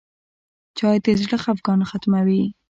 چای د زړه خفګان ختموي.